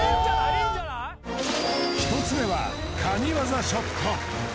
１つ目は神業ショット